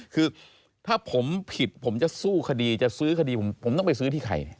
คือถ้าผมผิดผมจะสู้คดีจะซื้อคดีผมต้องไปซื้อที่ใคร